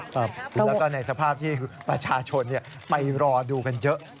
แล้วก็ในสภาพที่ประชาชนไปรอดูกันเยอะ